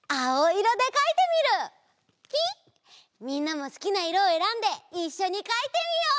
みんなもすきないろをえらんでいっしょにかいてみよう！